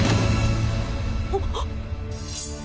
あっ！